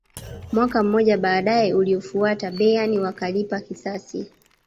mwaka mmoja baadaye uliofuata bayern wakalipa kisasi